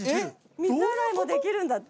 水洗いもできるんだって。